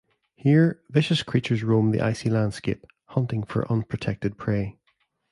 Here, vicious creatures roam the icy landscape, hunting for unprotected prey.